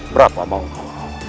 berapa mau kau